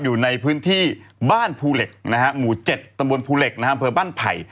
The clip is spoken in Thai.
อยู่ในพื้นที่บ้านภูเหล็กนะฮะหมู่๗ตำบลภูเหล็กนะฮะอำเภอบ้านไผ่